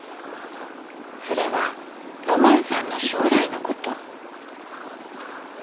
それはロマンさんの将来のこと。